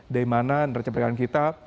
dimana raca perdagangan kita